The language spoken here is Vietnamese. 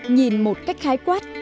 nhìn một cách khái quát